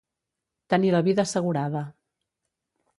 Tenir la vida assegurada.